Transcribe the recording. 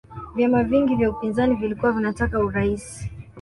vyama vingi vya upinzani vilikuwa vinataka uraisi